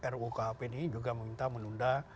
rukap ini juga meminta menunda